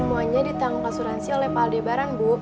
semuanya ditanggung kasuransi oleh pak aldebaran bu